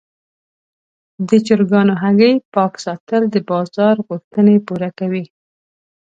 د چرګانو هګۍ پاک ساتل د بازار غوښتنې پوره کوي.